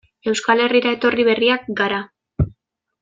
Euskal Herrira etorri berriak gara.